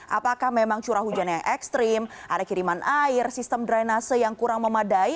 apakah memang curah hujan yang ekstrim ada kiriman air sistem drainase yang kurang memadai